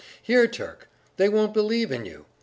"Here, Turk! they won't believe in you!